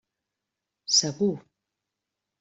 Segur!